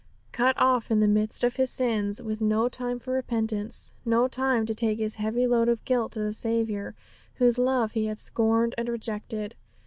Cut off in the midst of his sins, with no time for repentance, no time to take his heavy load of guilt to the Saviour, whose love he had scorned and rejected.